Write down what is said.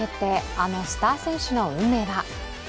あのスター選手の運命は？